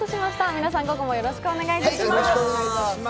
皆さん、午後もよろしくお願いします。